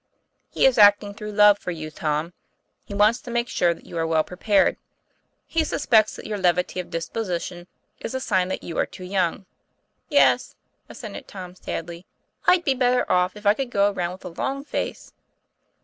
"He is acting through love for you, Tom; he wants to make sure that you are well prepared. He suspects that your levity of disposition is a sign that you are too young." "Yes," assented Tom sadly, "I'd be better off if I could go around with a long face."